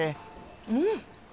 うん。